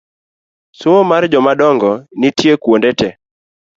Somo mar jomadongo nitie kuonde te